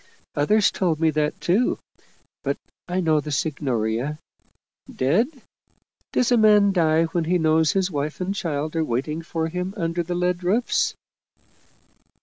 Others told me that, too but I know the Signoria. Dead? Does a man die when he knows his wife and child are waiting for him under the lead roofs?"